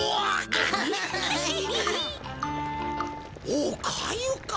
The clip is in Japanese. おかゆか。